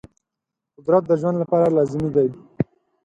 قدرت د ژوند لپاره لازمي دی.